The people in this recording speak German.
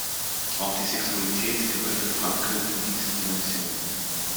Auch die Sexualität gehört für Frankl in diese Dimension.